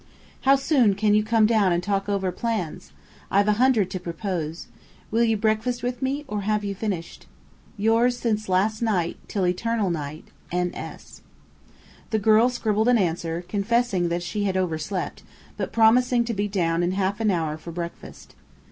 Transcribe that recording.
How soon can you come down and talk over plans? I've a hundred to propose. Will you breakfast with me, or have you finished? Yours since last night, till eternal night, N. S. The girl scribbled an answer, confessing that she had overslept, but promising to be down in half an hour for breakfast.